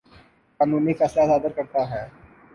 قانونی فیصلہ صادر کرتا ہے